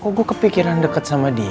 kok gue kepikiran deket sama dia